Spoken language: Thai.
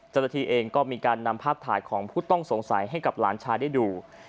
เจ้าหน้าที่เองก็มีการนำภาพถ่ายของผู้ต้องสงสัยให้กับหลานชายได้ดู